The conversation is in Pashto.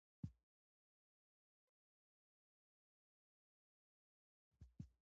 افغانستان د ننګرهار په برخه کې نړیوال شهرت لري.